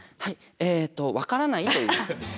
えっと分からないという。